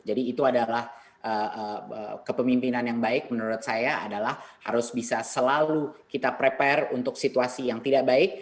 jadi itu adalah kepemimpinan yang baik menurut saya adalah harus bisa selalu kita prepare untuk situasi yang tidak baik